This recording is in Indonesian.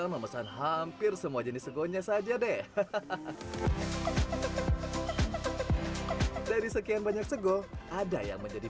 memesan hampir semua jenis segonya saja deh hahaha dari sekian banyak sego ada yang menjadi